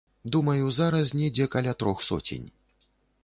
Думаю, зараз недзе каля трох соцень.